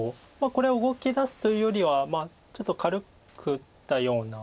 これは動きだすというよりはちょっと軽く打ったような。